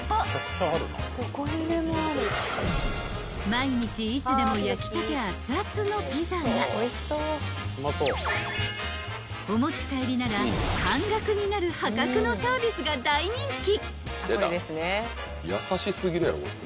［毎日いつでも焼きたて熱々のピザがお持ち帰りなら半額になる破格のサービスが大人気］